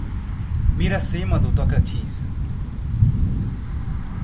Miracema do Tocantins